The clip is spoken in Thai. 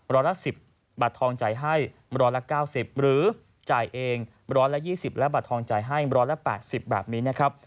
ร้อนละสิบบัตรทองจ่ายให้ร้อนละเก้าสิบหรือจ่ายเองร้อนละยี่สิบและบัตรทองจ่ายให้ร้อนละแปดสิบแบบนี้นะครับ